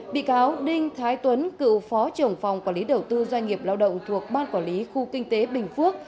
bị cáo đinh thái tuấn cựu phó trưởng phòng quản lý đầu tư doanh nghiệp lao động thuộc ban quản lý khu kinh tế bình phước